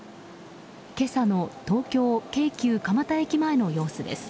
今朝の東京京急蒲田駅の様子です。